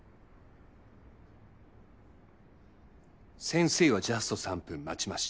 先生はジャスト３分待ちました。